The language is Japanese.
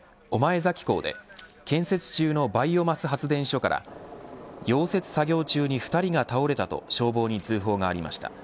崎港で建設中のバイオマス発電所から溶接作業中に２人が倒れたと消防に通報がありました。